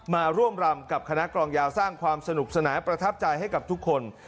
มาร่วมรำกับคณะกรองยาวสร้างความสนุกสนานประทับใจให้กับทุกคน